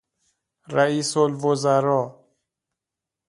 رییس الوزراء